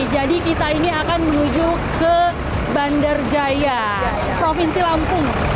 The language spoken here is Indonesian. jadi kita ini akan menuju ke bandar jaya provinsi lampung